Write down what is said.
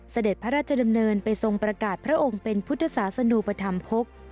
เสด็จพระราชดำเนินไปทรงประกาศพระองค์เป็นพุทธศาสนุปธรรมพกษ์